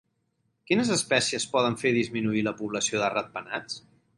Quines espècies poden fer disminuir la població de ratpenats?